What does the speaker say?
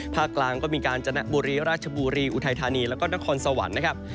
กลางก็มีการจนบุรีราชบุรีอุทัยธานีแล้วก็นครสวรรค์นะครับ